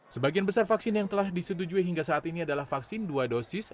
sebagian besar vaksin yang telah disetujui hingga saat ini adalah vaksin dua dosis